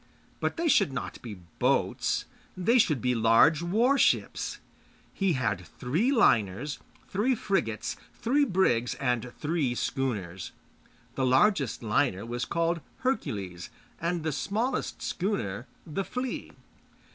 But they should not be boats, they should be large warships. He had three liners, three frigates, three brigs and three schooners. The largest liner was called Hercules, and the smallest schooner The Flea.